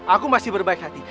aku masih berbaik hati